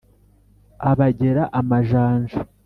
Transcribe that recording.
Abagera amajanja